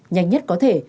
nhanh nhất có thể